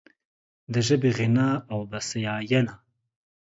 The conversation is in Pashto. د ژبې غنا او بسیاینه